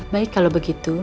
baik kalau begitu